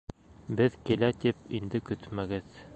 Беҙ килә, тип инде көтмәгеҙ.